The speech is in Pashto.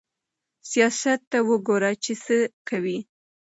سياست ته وګوره چې څه کوي.